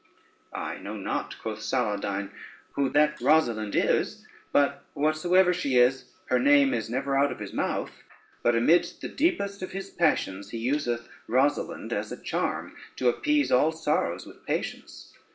"I know not," quoth Saladyne, "who that Rosalynde is, but whatsoever she is, her name is never out of his mouth, but amidst the deepest of his passions he useth Rosalynde as a charm to appease all sorrows with patience.